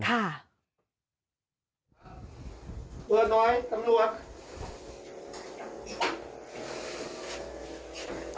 ปืนน้อยตำรวจ